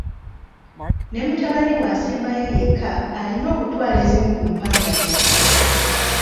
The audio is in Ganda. Ne mutabaniwe asembayo yekka ayina okutwala ezimu ku mpanga ze.